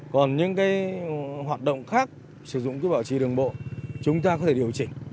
còn những hoạt động khác sử dụng quỹ bảo trì đường bộ chúng ta có thể điều chỉnh